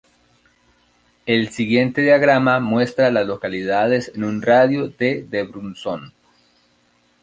El siguiente diagrama muestra a las localidades en un radio de de Brunson.